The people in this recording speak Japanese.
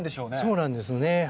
そうなんですね。